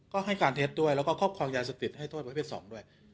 ก็ให้การเท็จด้วยแล้วก็ครอบครองยาเสพติดให้โทษประเภท๒ด้วย